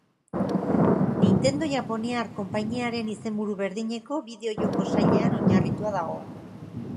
Nintendo japoniar konpainiaren izenburu berdineko bideo-joko sailean oinarritua dago.